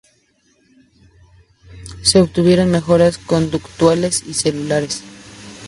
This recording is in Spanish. Se obtuvieron mejoras conductuales y celulares.